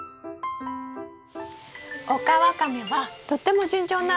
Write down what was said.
オカワカメはとっても順調なんです。